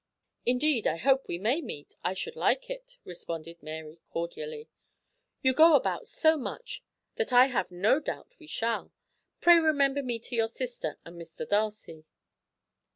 "Indeed, I hope we may meet; I should like it," responded Mary cordially. "You go about so much that I have no doubt we shall. Pray remember me to your sister and Mr. Darcy."